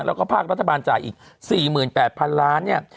แล้วก็ภาครัฐบาลจ่ายอีก๔๘๐๐๐ล้านเนี่ย